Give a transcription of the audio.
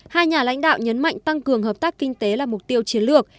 hai nhà lãnh đạo nhấn mạnh tăng cường hợp tác kinh tế là mục tiêu chiến lược